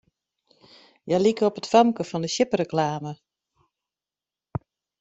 Hja like op it famke fan 'e sjippereklame.